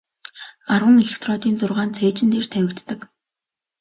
Арван электродын зургаа нь цээжин дээр тавигддаг.